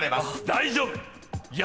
大丈夫！